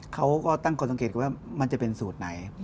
เขาก็ตั้งข้อสังเกตว่ามันจะเป็นสูตรไหน